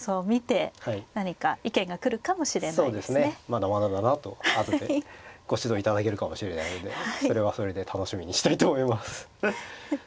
まだまだだなと後でご指導いただけるかもしれないのでそれはそれで楽しみにしたいと思います。